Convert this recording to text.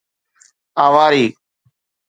اواري